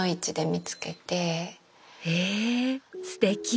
へえすてき。